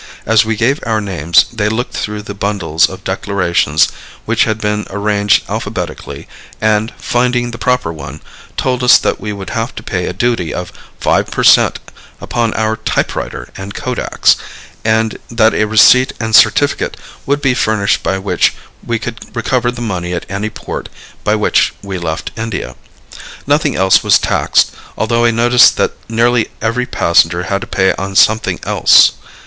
As we gave our names they looked through the bundles of declarations which had been arranged alphabetically, and, finding the proper one, told us that we would have to pay a duty of 5 per cent upon our typewriter and kodaks, and that a receipt and certificate would be furnished by which we could recover the money at any port by which we left India. Nothing else was taxed, although I noticed that nearly every passenger had to pay on something else.